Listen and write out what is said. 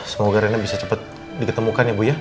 semoga rena bisa cepat diketemukan ya bu ya